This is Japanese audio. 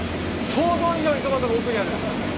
想像以上にトマトが奥にある。